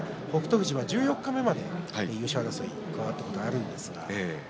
富士は１４日まで優勝争いに加わったことがあります。